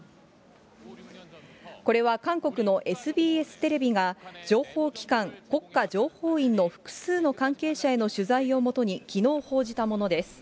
これは韓国のＳＢＳテレビが情報機関国家情報院の複数の関係者への取材をもとにきのう報じたものです。